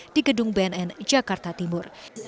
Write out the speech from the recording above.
di gedung bnn jakarta timur